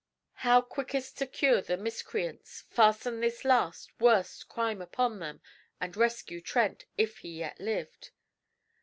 How quickest secure the miscreants, fasten this last, worst crime upon them, and rescue Trent, if he yet lived?